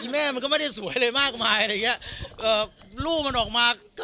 แม่มันก็ไม่ได้สวยอะไรมากมายลูกมันออกมาก็เออ